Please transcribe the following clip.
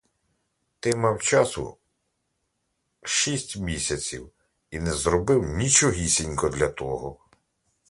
Ти мав часу шість місяців і не зробив нічогісінько для того.